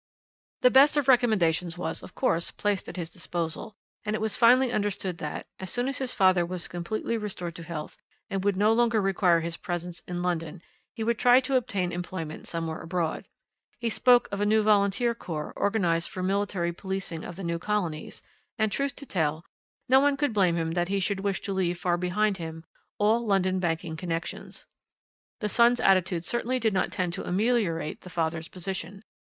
"The best of recommendations was, of course, placed at his disposal, and it was finally understood that, as soon as his father was completely restored to health and would no longer require his presence in London, he would try to obtain employment somewhere abroad. He spoke of the new volunteer corps organized for the military policing of the new colonies, and, truth to tell, no one could blame him that he should wish to leave far behind him all London banking connections. The son's attitude certainly did not tend to ameliorate the father's position.